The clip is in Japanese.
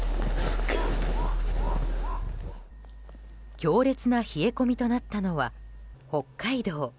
強烈な冷え込みとなったのは北海道。